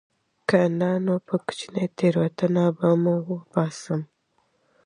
که نه نو په کوچنۍ تېروتنې به مو وباسم